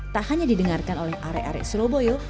tak hanya didengarkan oleh arek arek surabaya